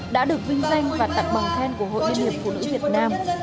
đã được vinh danh và tặng bằng khen của hội liên hiệp phụ nữ việt nam